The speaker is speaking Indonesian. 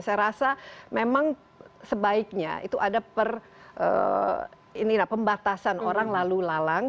saya rasa memang sebaiknya itu ada per ini lah pembatasan orang lalu lalang